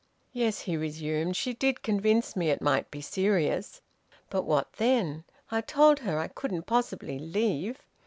"Yes," he resumed, "she did convince me it might be serious. But what then? I told her I couldn't possibly leave.